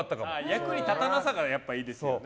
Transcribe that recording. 役に立たなさがいいですよね。